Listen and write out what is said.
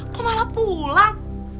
kok malah pulang